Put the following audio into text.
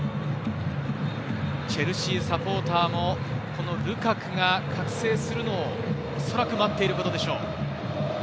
チェルシーサポーターもこのルカクが覚醒するのをおそらく待っていることでしょう。